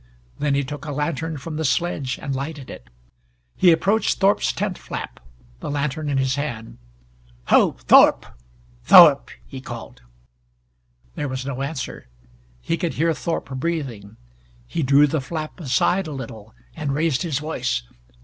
Then he took a lantern from the sledge and lighted it. He approached Thorpe's tent flap, the lantern in his hand. "Ho, Thorpe Thorpe!" he called. There was no answer. He could hear Thorpe breathing. He drew the flap aside a little, and raised his voice.